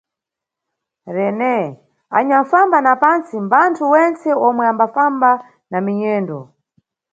Rene, anyanʼfamba na pantsi mbanthu wentse omwe ambafamba na minyendo.